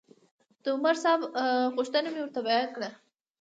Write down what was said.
د عامر صاحب غوښتنه مې ورته بیان کړه.